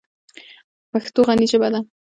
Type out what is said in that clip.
پښتو غني ژبه ده.